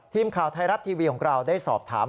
ทีมข่าวไทยรัฐทีวีของเราได้สอบถาม